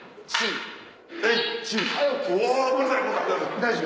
大丈夫。